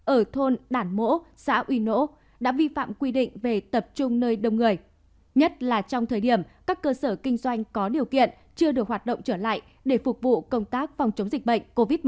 ở thôn bản mỗ xã uy nỗ đã vi phạm quy định về tập trung nơi đông người nhất là trong thời điểm các cơ sở kinh doanh có điều kiện chưa được hoạt động trở lại để phục vụ công tác phòng chống dịch bệnh covid một mươi chín